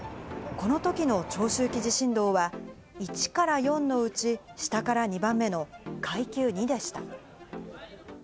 このときの長周期地震動は、１から４のうち、下から２番目の階級２でした。